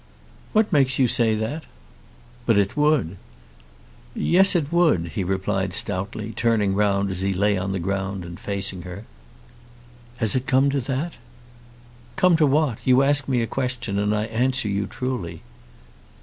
"What makes you say that?" "But it would." "Yes, it would," he replied stoutly, turning round as he lay on the ground and facing her. "Has it come to that?" "Come to what? You ask me a question and I answer you truly."